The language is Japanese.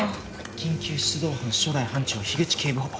緊急出動班初代班長口警部補。